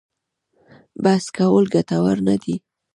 بحث کول ګټور نه دي.